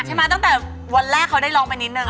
ใช่ไหมตั้งแต่วันแรกเขาได้ร้องไปนิดหนึ่ง